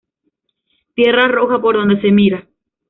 Tierra roja por donde se mira.